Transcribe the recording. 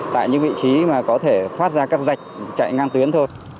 tại những vị trí mà có thể thoát ra các dạch chạy ngang tuyến thôi